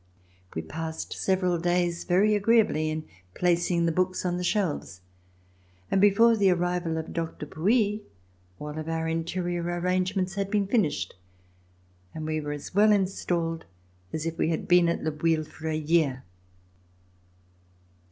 We passed several days very agreeably in placing the books on the shelves, and before the arrival of Doctor Dupouy all of our interior arrangements had been finished, and we were as well installed as if we had been at Le Bouilh for a year.